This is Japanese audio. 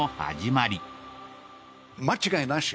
間違いなし。